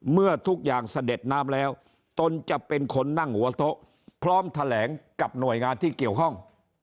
เมื่อทุกอย่างเสด็จน้ำแล้วตนจะเป็นคนนั่งหัวโต๊ะพร้อมแถลงกับหน่วยงานที่เกี่ยวข้อง